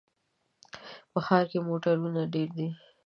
په ښار کې موټرونه ډېر دي.